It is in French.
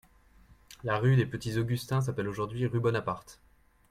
La rue des Petits-Augustins s'appelle aujourd'hui rue Bonaparte.